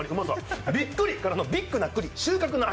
びっくりからのビッグなくり収穫の秋！